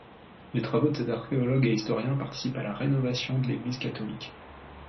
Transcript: Les travaux de cet archéologue et historien participent à la rénovation de l'Église catholique.